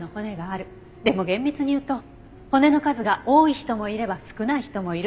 でも厳密に言うと骨の数が多い人もいれば少ない人もいる。